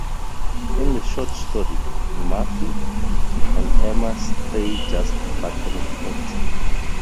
In the Schott story, Murphy and Emma stay just platonic friends.